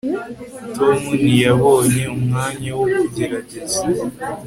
tom ntiyabonye umwanya wo kugerageza